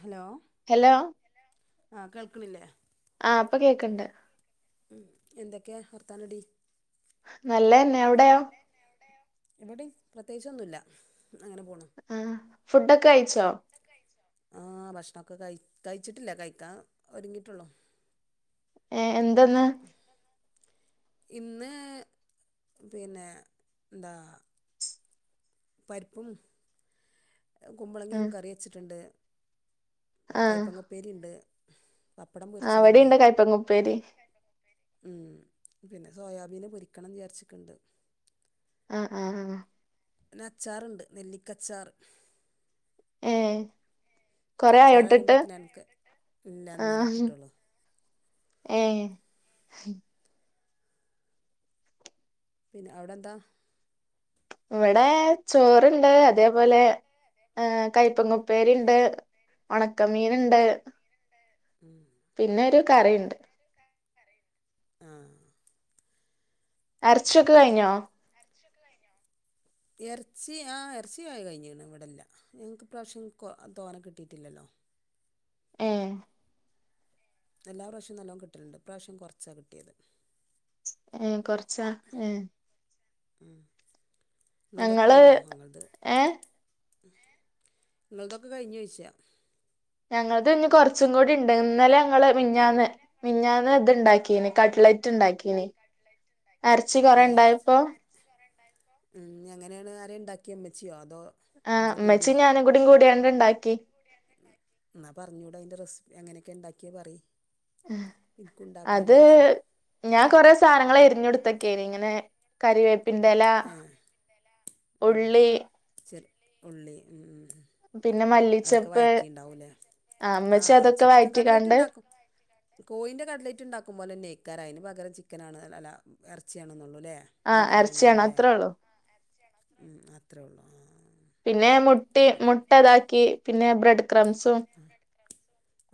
Hello hello ആ കേൾക്കണില്ലേ ആ ഇപ്പൊ കേക്കണ്ട് ഉം എന്തൊക്കെയാ വർത്താനടി നല്ലെന്നെ അവടെയൊ ഇവടെം പ്രത്യേകിച്ചൊന്നൂല്ല അങ്ങനെ പോണ് ഫുഡൊക്കെഴിച്ചോ ആഹ് ഭക്ഷണൊക്കെ കയ് കയിച്ചിട്ടില്ല കഴിക്കാ ഒരുങ്ങിട്ടൊള്ളൂ ഏഹ് എന്തെന്ന് ഇന്ന് പിന്നെ ന്താ പരിപ്പും ആ കുമ്പളങ്ങേം കറിവെച്ചിട്ട്ണ്ട് കയപ്പങ്ങുപ്പേരിണ്ട് അവിടേണ്ട കയ്പങ്ങുപ്പേരി ഉം പിന്നെ സോയാബീന് പൊരിക്കണം വിചാരിച്ചിക്ക്ണ്ട് ആഹ് ആഹ് ആഹ് പിന്നെ അച്ചാറ്ണ്ട് നെല്ലിക്കച്ചാർ ഏഹ് കൊറെ അച്ചാർ ആയോട്ടിട്ട് പറയുമ്പോഴത്തേന് എനിക്ക് ഇല്ല ഇന്നലെ ആഹ് ഇട്ടിട്ടുള്ളൂ ഏഹ് പിന്നെ അവിടെന്താ ഇവടെ ചോറ്ണ്ട് അതേപോലെ ഏഹ് കയപ്പങ്ങുപ്പേരിണ്ട് ഒണക്കമീന്ണ്ട് ഉം പിന്നെ ഒരു കറീണ്ട് ആ അരച്ചൊക്കെ കഴിഞ്ഞോ എറച്ചി ആ എറച്ചിയയി കഴിഞ്ഞിക്കണ് ഇവിടെല്ല ഞങ്ങക്ക് ഇപ്രാശം തോന കിട്ടീട്ടില്ലല്ലോ ഏഹ് എല്ലാ പ്രാശ്യോം നല്ലോം കിട്ടലണ്ട് ഇപ്രാശം കുറച്ചാ കിട്ടിയത് ഏഹ് കൊറച്ചാ ഏഹ് ഉം ഞങ്ങള് ഏഹ് നിങ്ങൾതൊക്കെ കഴിഞ്ഞോയ്ച്ചാ ഞങ്ങള്ത് ഇനികൊറച്ചും കൂടിണ്ട് ഇന്നലെ ഞങ്ങള് മിനിഞ്ഞാന്ന് മിനിഞ്ഞാന്ന് ഇതിണ്ടാക്കീന് കട്ട്ലറ്റ് ഇണ്ടാക്കീനി ഏഹ് അങ്ങനെണെ അര- താക്കിയിമ്മച്ചിയോ അതോ ആഹ് ഇജ്ജ് ഉമ്മേച്ചി കൂടിയോ ഞാനുംകൂടികൂടിയാണ് ണ്ടാക്കി എന്നാ പറഞ്ഞൂടാ അയ്റ്റെ റെസിപ്പി അങ്ങനെക്കെണ്ടാക്കിയെ പറയ് എനിക്കും ഉണ്ടാക്കാമല്ലോ അത് ഒരു ദിവസം ഞാൻ കൊറെ സാനങ്ങളരിഞ്ഞൊടുത്തൊക്കൊയിനി ഇങ്ങനെ കറിവെ- പിന്തെല ഏ ഉം. ഉള്ളി ചെറു ഉള്ളി ഉം പിന്നെ അതൊക്കെ മല്ലിച്ചപ്പ് വഴറ്റിണ്ടാവുംല്ലേ ഇമ്മച്ചി ആഹ് അതൊക്കെ ചിക്കൻ കട്ലേറ്റ് വഴറ്റിക്കാണ്ട് ഉണ്ടാക്കും കോയിന്റെ കട്ലേറ്റ് ഉണ്ടാക്കും പോലെ നെയക്കാര അതിന് പറ ഭങ്കരം ചിക്കൻനാണ് അല്ല ഇറച്ചിയണെന്നുള്ളത് ആ അരച്ചിയാണ് അത്രേ ഉള്ളോ ഉ അത്രേ ഉള്ളു ആ പിന്നെ മുട്ടി മുട്ട ഇതാക്കി പിന്നെ ബ്രെഡ് ക്രംസും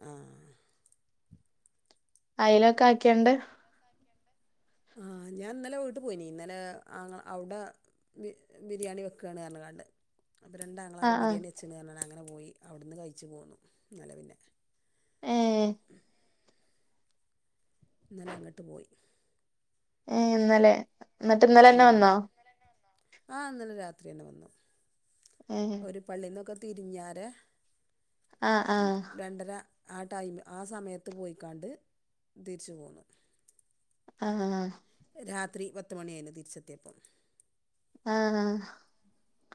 ആ അയലൊക്കെ ആക്കിയണ്ട് ആ ഞാൻ ഇന്നലെ വീട്ട് പോയിനി ഇന്നലെ ആ അവിടെ ബി ബിരിയാണി വെക്കുകയാണ് പറഞ്ഞുങ്ങാണ്ട് അപ്പോ ആഹ് രണ്ടാങ്ങളാരും ആഹ് ബിരിയാണി വെച്ചന്ന് പറഞ്ഞങ്ങനെ പോ പോയി അവിടുന്ന് കഴിച്ചു പോന്നു ഇന്നല പിന്നെ ഏഹ് ഇന്നലെ അങ്ങാട്ട് പോയി ഏ ഇന്നല്ലേ ന്നിട്ട് ഇന്നലെ തന്നെ വന്നോ ആ ഇന്നലെ രാത്രി തന്നെ വന്നു ഏഹ് ഒരു പള്ളിന്നൊക്കെ തിരിഞ്ഞാറ് ആഹ് രണ്ടര ആ ടൈം ആ സമയത്ത് പോയിക്കാണ്ട് തിരിച്ചു പോന്നു ആ ആ രാത്രി പത്ത് മണിയായിന്നു തിരിച്ചെത്തിയപ്പം ആഹ് ആ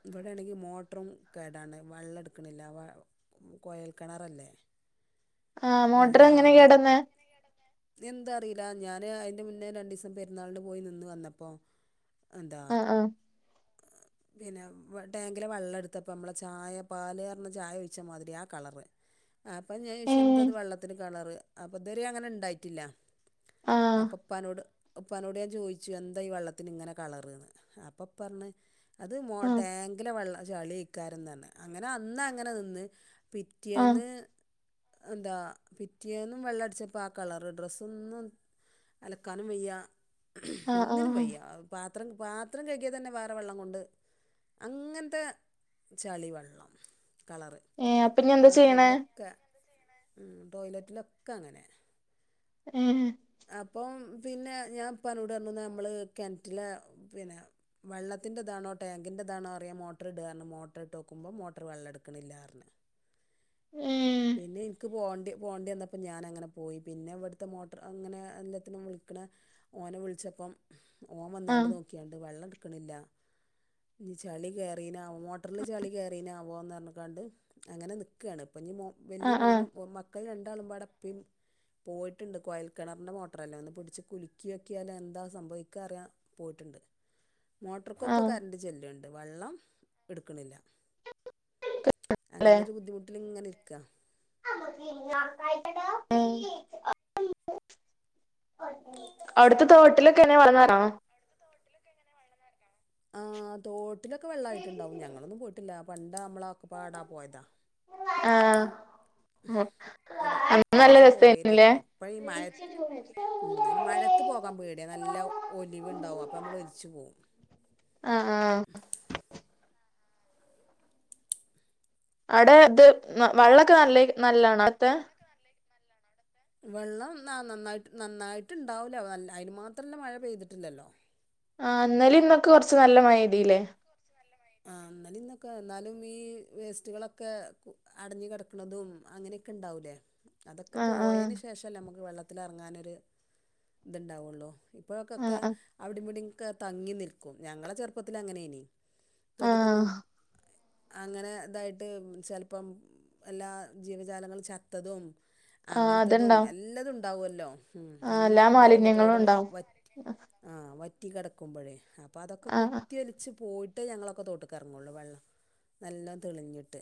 ഇവിടെയാണെങ്കി മോട്ടറും കേടാണ് വള്ളം ടക്കണില്ല വേ കോയൽ കെണറല്ലേ ആ മോട്ടർ എങ്ങനെ കേടന്നേ എന്തറിയില്ല ഞാന് അതിന്റെ മുന്നേ രണ്ടു ദിവസം പെരുന്നാളിന് പോയി നിന്ന് വന്നപ്പോ എന്താ ആഹ് ആഹ് പിന്നെ ടാങ്കിലെ വള്ളം എടുത്തപ്പം നമ്മളെ ചായ പാല് റന്ന് ചായ ഒഴിച്ചമാതിരി ആ കളറ് അപ്പം ഞ വിച്ച് ഏഹ് എന്തത് വെള്ളത്തിന് കളറ് അപ്പ ഇതുവരെ അങ്ങനെ ണ്ടായിട്ടില്ല ആഹ് അപ്പഉപ്പാനോട് ഉപ്പനോട് ഞാൻ ചോദിച്ചു എന്താ ഈ വെള്ളത്തിന് ഇങ്ങനെ കളറ്ന്ന് അപ്പം പർഞ്ഞ് അത് മോ ആഹ് ടാങ്കിലെ വെള്ളം ആ ചളിക്കാറുന്നാന്ന്‌ അങ്ങനെ അന്ന് അങ്ങനെ നിന്ന് ആഹ് പിറ്റേന്ന് എന്താ പിറ്റേന്നും വെള്ളം അടിച്ചപ്പോൾ ആ കളറ് ഡ്രസ്സൊന്നും അലക്കാനും വയ്യ ആഹ് ഒന്നിനും ആഹ് വയ്യ പ പാത്രം കഴികിയാൽ തന്നെ വേറെ വെള്ളം കൊണ്ട് അങ്ങനത്തെ ചളി വെള്ളം കളറ് ഏഹ് അപ്പൊ ഇനി എന്താ ചെയ്യണേ ബാത്റൂമിലൊക്കെ മ് ടോയ്ലറ്റിലൊക്കെ അങ്ങനെ ഏ അപ്പം പിന്നെ ഞാൻഇപ്പനോട് പറഞ്ഞു ന്നാ നമ്മള് കെണറ്റിലെ പിന്നെ വെള്ളത്തിന്റെ ഇതാണോ ടാങ്കിന്റെ ഇതാണോ അറിയാൻ മോട്ടറ് ഇട് ന്ന് പറഞ്ഞു മോട്ടറിട്ട് നോക്കുമ്പോ മോട്ടറ് വെള്ളം എട്ക്കണില്ലാറഞ്ഞു ഏഹ് പോണ്ടി വന്നപ്പോ ഞാനങ്ങനെ പോയി പിന്നെ ഇവിടുത്തെ മോട്ടറ് അങ്ങനെ എല്ലാത്തിനും വിളിക്കണ ഓനെ വിളിച്ചപ്പം ഓൻ വന്നാണ്ട് ആഹ് നോക്കിയാണ്ട് വെള്ളം ഇട്ക്ക്ണില്ലാന ചളി കേറിനോ ആവോ മോട്ടറില് ചളി കേറിനോനാവോ ന്ന് പറഞ്ഞ്കാണ്ട് അങ്ങനെ നിക്കാണ് ഇപ്പൊ ഇഞ്ഞി ആഹ് ആഹ് വല്ല്യമോനും ഒ [unintelligible] മക്കൾ രണ്ടാളുമ്പാട ഇപ്പേം പോയിട്ടുണ്ട് കൊയൽകെണറിൻ്റെ മോട്ടറല്ലേ ഒന്ന് പിടിച്ച് കുലിക്യോക്കിയാല് എന്താ സംഭവിക്കാറിയാൻ പോയിട്ടുണ്ട് മോട്ടർക്കൊക്കെ ആഹ് കറണ്ട്റ് ചെല്ല്ണ്ട് വെള്ളം ഇട്ക്ക്ണില്ല അങ്ങനെ ഒരു ബുദ്ധിമുട്ടിലിങ്ങനെ ക്കാണ് [inaudible] അടുത്ത തോട്ടില് ക്കെന്നെ വള്ള [unintelligible] ആ തോ ട്ടിലൊക്കെ വെള്ളായിട്ട്ണ്ടാവും ഞങ്ങളൊന്നും പോയിട്ടില്ല വന്ന് ആ അമ്മളക്കൊപാടാ പോയത ആ ഒരു ഒരീസം പോയേന് രസായിരുന്നില്ലേ ഇപ്പ ഈ മഴ മ് മഴത്ത് പോകാൻ പേടിയ നല്ല ഒലിവുണ്ടാവും അപ്പൊ നമ്മള് ഒലിച്ചു പോവും ആഹ് ആഹ് അടെ ഇത് വെള്ളൊക്കെ നല്ല നല്ലണോ ആത്ത വെള്ളം ആ നന്നായിട്ട് നന്നായിട്ട് ഇണ്ടാവൂല അയ്ന് മാത്രല്ല മഴ പെയ്തിട്ടില്ലല്ലോ ആ ഇന്നലേം ഇന്നൊക്കെ കൊറച്ച് നല്ല മയയ്തില്ലേ ആ ഇന്നലിം ഇന്നൊക്കെ എന്നാലും ഈ വേസ്റ്റുകളൊക്കെ അടഞ്ഞു കെടക്ക്‌ണതും അങ്ങനെയൊക്കെ ഇണ്ടാവൂലേ അതൊക്കെ ആഹ് ആഹ് പോയേന് ശേഷല്ലെ മ്മക്ക് വെള്ളത്തി ത്തിലറങ്ങാനൊരു ഇത് ഇണ്ടാവുള്ളൂ ആഹ് പോക്കൊക്കെ ആഹ് അവിടിം ഇവടിം ക്കെ തങ്ങി നിൽക്കും ഞങ്ങളെ ചെറുപ്പത്തിലങ്ങനെനി ആഹ് തോട്ട്ക്കൊന്നും അങ്ങനെ ഇതായിട്ട് ചെലപ്പം എല്ലാ ജീവജാലങ്ങള് ചത്തതും ആഹ് അങ്ങനത്തതും അതുണ്ടാവും എല്ലാതും ണ്ടാവുവല്ലോ ഉം ആഹ് എല്ലാ എല്ലതുണ്ടാവല്ലോ മാലിന്യങ്ങളും തോട് ഉണ്ടാവും വറ്റ് ആ വ റ്റി കടക്കുമ്പഴേ അപ്പോം അതൊക്കെ ആഹ് കുത്തി ഒലിച്ച് പോയിട്ട് ഞങ്ങള ക്കെ തോട്ട്ക്ക് ഇറങ്ങുള്ളൂ വെള്ളം നല്ല തെളിഞ്ഞിട്ട്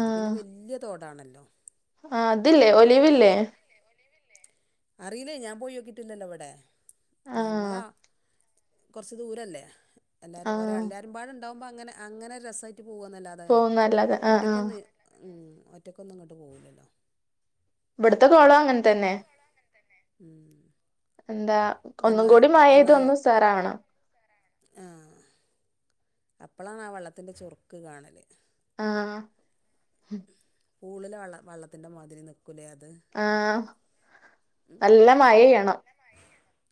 ഇത് പിന്നെ വലിയ തോ ഇതാണല്ലോ ആ അത് ല്ലേ ഒലിവ് ഇല്ലേ അറിയില്ല ഞാൻ പോയി നോക്കിട്ടില്ലല്ലോ അവിടെ ആഹ് ഞങ്ങളാ കൊറച്ച് ദൂരല്ലേ എല്ലാരും ഒരാ ആഹ് എല്ലാരും പാട് ഉണ്ടാവുമ്പോ അങ്ങന അങ്ങനെ രസ റ്റ് പോവന്നല്ലാതെ പോകുന്നല്ലാതെ ആഹ് ആഹ് ഒറ്റക്കൊന്ന് ഉം ഒറ്റക്കൊന്നും എങ്ങോട്ടും പോവില്ലല്ലോ ഇവിടത്തെ കോളോം അങ്ങനെ തന്നെ തന്നെ ഉം എന്താ ഒന്നും കൂടി മഴയ്ത് നന്നായോ ഒന്നു ഉസാറാവണം ആ അപ്പളാണ് ആ വള്ളത്തിൻ്റെ ചൊറുക്ക് കാണല് ആഹ് പൂളില് വള്ള വള്ളത്തിന്റെ മാതിരി നിക്കു കുലേ അത് ആഹ് നല്ല മഴയ്യണം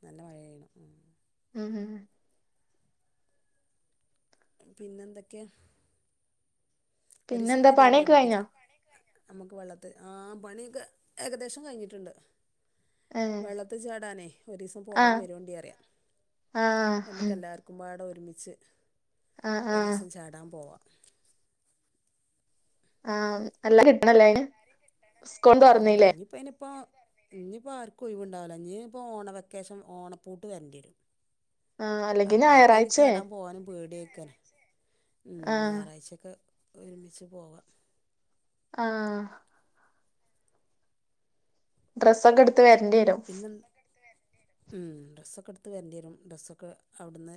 നല്ല മഴ പെയ്യണം മ് മ്ഹ് പിന്നെ എന്തൊക്കെയ പിന്നെന്താ പണിയൊക്കെ ച കഴിഞ്ഞാ നമുക്ക് വെള്ളത്തിൽ ആ പണിയൊക്കെ ഏകദേശം കഴിഞ്ഞിട്ടുണ്ട് ഏഹ് വെള്ളത്തി ചാടാനേ ഒരു ദിവസം പോകാൻ ആഹ് വരൂണ്ടി പറയാ ആഹ് നമുക്കെല്ലാർക്കും ആട ഒരു ഒരുമിച്ച് ആഹ് ഒരു ആഹ് ദിവസം ചാടാൻ പോവാം ആഹ് എല്ലാം കിട്ടണല്ലേണ് ഉം ഇനിപ്പ ഇനിപ്പോ ഇനിപ്പ ആർക്കും ഒയിവുണ്ടാവൂല ഇനീ ഇപ്പൊ ഓണ വെക്കേഷൻ ഓണപ്പൂട്ട് വരേണ്ടി വരും ആഹ് അല്ലെങ്കി അപ്പോഴൊക്കെ ഇത് ഞായറാഴ്ചേ ചാടാൻ പോവാനും പേടി ഉം ആഹ് ഞായറാഴ്ചൊക്കെ ഒരുമിച്ച് പോകാം ആഹ് ഡ്രസ്സൊക്കെടു ത്ത് വരണ്ടി വരും പിന്നെ ഉം. ഡ്രസ്സൊക്കെ ട്ത്ത് വര്ണ്ടിയേരും, ഡ്രസ്സൊക്കെ അവിടുന്ന്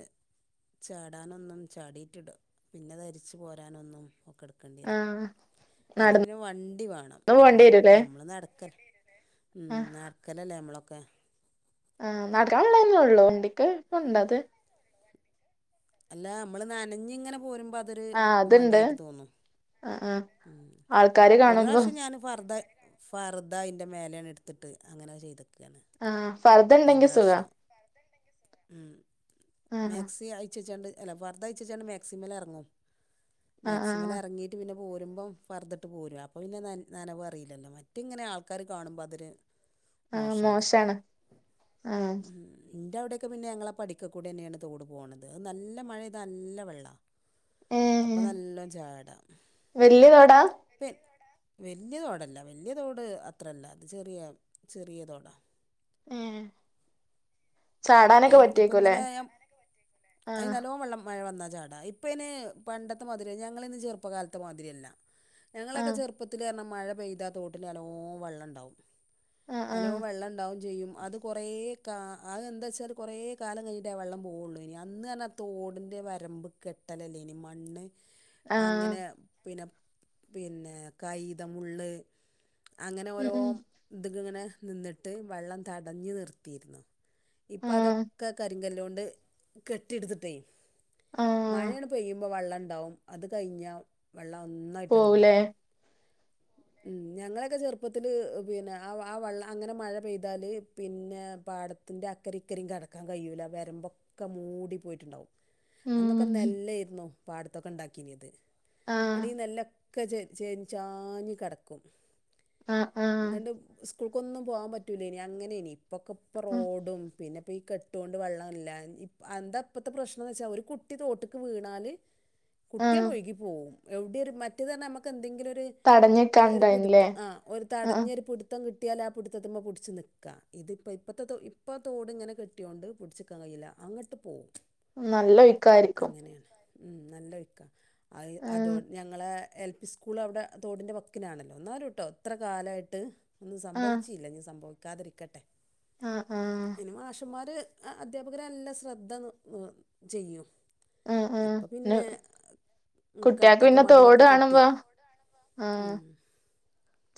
ചാടാനൊന്നും ചാടിട്ടിടാ പിന്ന ധരിച്ച് പോരാനൊന്നും ഒ ക്കട്ക്കണ്ടിയേരും. ആഹ് അല്ലെല് നടന്ന് പിന്നെ വണ്ടി വാണം പോണ്ടി നമ്മളെ വരൂല്ലേ നമ്മള് നടക്ക ഉം ആഹ് ന ല്ലേ നമ്മളൊക്കെ ആഹ് നടക്കാനൊള്ളതന്നെ ഉള്ളു വണ്ടിക്ക് [unintelligible] അല്ല നമ്മള് നനഞ്ഞ് ഇങ്ങനെ പോരു ആഹ് അത്ണ്ട്. ആഹ് ആഹ് ആൾക്കാര് കാണുമ്പം. ർദ, ഫർദ അയ്ന്റെ മേലെണ് ഇട്ത്തിട്ട് അങ്ങനെ ചെയ്ത ആഹ് ഫർ ദണ്ടെങ്കി സുഖാ. ഉം ആഹ് മാക്സി അയിച്ചച്ചാണ്ട് അല്ല ഫർദയിച്ചെച്ചാണ്ട് മാക്സിമൽ എറങ്ങാ ആഹ് ആഹ് മാക്സിമലെറങ്ങീട്ട് പിന്നെ പോര് രുമ്പം ഫർദട്ട് പോരാ, അപ്പം പിന്നെ നന നനവ് അറീല്ലല്ലോ, മറ്റങ്ങനെ ആൾക്കാര് കാണുമ്പം അതൊര് ആഹ് മോശാണ് ആഹ് ഇന്റെ അവിടെക്കെ പിന്നെ ഞങ്ങള പടിക്കകൂടെന്നെണ് തോട് പോണത് അത് നല്ല മഴ ഇതാ നല്ല വെള്ളം അപ്പ ഏഹ് നല്ലം ചാടാ വല്യ തോടാ പിൻ വലിയ തോടല്ല വലിയ തോട് അത്രല്ല അത് ചെറിയ ചെറിയ തോടാ ഏഹ് ചാടാനൊക്കെ ഇപ്പം പറ്റിയേക്കൂല്ലേ ഇന്നലെ ഞാൻ അതിന് ആഹ് നല്ലോണം വെള്ളം മഴ വന്നാ ചാടാ ഇപ്പ ഇന് പണ്ടത്തെ മാതിരി ഞങ്ങളിന്ന് ചെറുപ്പകാലത്തെ മാതിരിയല്ല ഞങ്ങളൊക്കെ ആഹ് ചെറുപ്പത്തില് കാരണ മഴ പെയ്താ തോട്ടി അനോ വെള്ളം ഉണ്ടാവും ആഹ് അനോവും ആഹ് വെള്ളം ഇണ്ടാവും ചെയ്യും അത് കുറേ കാ അത് എന്താ വെച്ചല് കുറേ കാലം കഴിഞ്ഞിട്ടേ വെള്ളം പോവുള്ളു ഇനി അന്ന് പറഞ്ഞാ തോടിൻ്റെ വരമ്പ് കെട്ടലല്ലേ ഇനി മണ്ണ് ആഹ് അങ്ങനെ പിന്നെ പിന്നെ കൈതമുള്ള് അങ്ങനെ ഉം ഓരോ ഉം ഇത്ക്കിങ്ങനെ നിന്നിട്ട് വെള്ളം തടഞ്ഞു നിർത്തിരുന്നു അപ്പൊ ആഹ് അതൊക്കെ കരിങ്കലോണ്ട് കെട്ടിെടുത്തിട്ടേ ആഹ് മഴയാണ് പെയ്യുമ്പോ വള്ളം ണ്ടും അത് കഴിഞ്ഞ വെള്ളം ഒന്നായിട്ടാണ് പോകും പോവുലേ ഉ ഞങ്ങളൊക്കെ ചെറുപ്പത്തിൽ പിന്നെ ആ ആ വള്ളം അങ്ങനെ മഴ പെയ്താൽ പിന്നെ പാടത്തിന്റെ അക്കരി ഇക്കരിയും കിടക്കാൻ കഴിയൂല്ല വരമ്പൊക്കെ മൂടിപ്പോയിട്ടുണ്ടകും അന്നൊക്കെ ഉം നെല്ലായിരുന്നു പാടത്തൊക്കെ ഉണ്ടാക്കീന അത് ആഹ് ണി നെല്ല് ക്കൊ ചേ രി ചാഞ്ഞു കിടക്കും ആ ആ ആ എന്നിട്ട് സ്കൂൾക്കൊന്നും പോകാൻ പറ്റില്ല ഇനി അങ്ങനെ ഇനി പപ്പൊക്കെ ഇപ്പ ഉം റോഡും പിന്നെ ഇപ്പം ഈ കെട്ട്കൊണ്ട് വെള്ളം ഇല്ല എന്താ ഇപ്പഴത്തെ പ്രശ്നംന്ന് വെച്ചാൽ ഒരു കുട്ടി തോട്ടക്ക് വീണാല് കുട്ടിആണ്ട് ആഹ് ഒഴകി പോകും എവിടെയ ഒരു മറ്റേ തന്നെ നമക്ക് എന്തെങ്കിലും ങ്കിലും ഒരു ഒരു പിടിത്ത് തടഞ്ഞിക്കാണ്ടായിനില്ലേ ആ ഒരു ആഹ് തടഞ്ഞൊ ഒരു പിടിത്ത് മൊത്തം കിട്ടിയാൽ ആ പിടിത്തെ പിടിച്ച് നിൽക്കുക ഇതിപ്പോ ഇഴത്തെ ഇപ്പോൾ തോടി ഇങ്ങനെ കിട്ടിയതൊണ്ട് പിടിച്ചേക്കാൻ കിയില്ല അങ്ങോട്ട് പോകവും നല്ല ഒഴുക്കായിരിക്കും ഉം നല്ലൊഴിക്ക അ അത ആഹ് ഞങ്ങളെ എൽ പി സ്കൂൾ അവിടെ തോട്ന്റെ വ വക്കിനാണല്ലോ ഇന്നാലും കേട്ടോ ഇത്ര കാലമായിട്ട് ഒന്നും ആഹ് സംഭവിച്ചില്ല ഇനി സംഭവിക്ക കാതിരിക്കട്ടെ ആഹ് ആഹ് അ യിന് മാഷന്മാര് അധ്യാപകരെല്ലാം ശ്രദ്ധ ചെയ്യും ആഹ് ആഹ് ഇപ്പൊ പിന്നെ കുട്ട്യാക്ക് കെട്ടൊക്കെ മതിലൊക്കെ കെട്ടി ആ ഉം.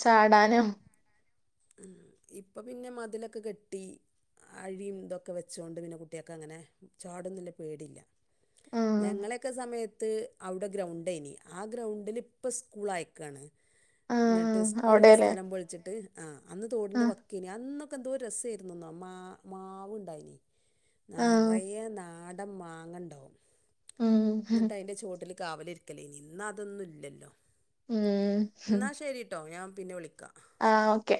ചാടാ ടാനും ഇപ്പ പിന്നെ മതിലൊക്കെ കെട്ടി അഴിയും ഇതൊക്കെ വെച്ചൊണ്ട് പിന്നെ കുട്ടിയക്കെ അങ്ങനെ ചാടൊന്നും ഇല്ല പേടില്ല ആഹ് ഞങ്ങളൊക്കെ സമയ ത് അവിടെ ഗ്രൗണ്ട ആയിരുന്നു ഇനി ആ ഗ്രൗണ്ടിൽ ഇപ്പം സ്കൂൾ ആയക്കയാണ് എന്നിട്ട് ആഹ് സ്കൂളിന്റെ അവിടെല്ലേ സ്ഥലം പൊളിച്ചിട്ട് ആ അന്ന് തോടിൻ്റെ ആഹ് വക്കിന് അന്ന് അന്ന്, എന്തോ രസായിരുന്നന്നോ മാ, മാവ് ഉണ്ടായിന് ആഹ് നറയെ നാ നല്ല മാങ്ങണ്ടാവും ഉം എന്നിട്ട് അതിന്റെ ചുവട്ടി കാവല് ഇരിക്കലേ ഇന്ന് അതൊന്നും ഇല്ലല്ലോ എന്നാ ശരിട്ടോ ഞാൻ പിന്നെ വിളിക്കാം ആ, ഓക്കെ